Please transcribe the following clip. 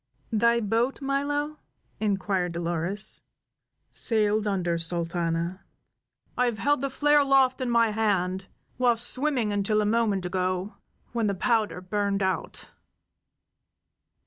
"Thy boat, Milo?" inquired Dolores. "Sailed under, Sultana. I have held the flare aloft in my hand while swimming until a moment ago, when the powder burned out."